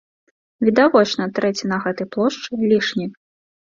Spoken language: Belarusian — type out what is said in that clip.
Відавочна, трэці на гэтай плошчы лішні.